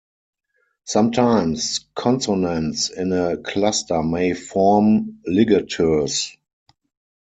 Sometimes, consonants in a cluster may form ligatures.